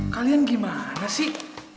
kalian gimana sih